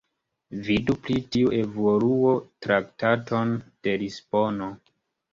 Vidu pri tiu evoluo Traktaton de Lisbono.